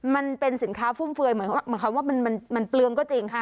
มันเป็นสินค้าฟุ่มเฟือยเหมือนคำว่ามันเปลืองก็จริงค่ะ